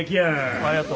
ありがとう。